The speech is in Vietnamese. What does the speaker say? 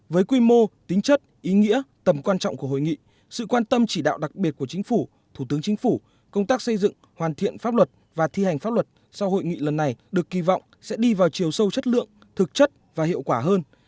với quy mô tính chất ý nghĩa tầm quan trọng của hội nghị sự quan tâm chỉ đạo đặc biệt của chính phủ thủ tướng chính phủ công tác xây dựng hoàn thiện pháp luật và thi hành pháp luật sau hội nghị lần này được kỳ vọng sẽ đi vào chiều sâu chất lượng thực chất và hiệu quả hơn